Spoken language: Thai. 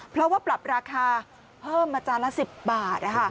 เพราะว่าปรับราคาเพิ่มมาจานละ๑๐บาท